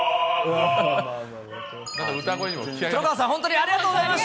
ありがとうございます。